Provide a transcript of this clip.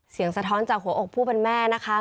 สะท้อนจากหัวอกผู้เป็นแม่นะคะ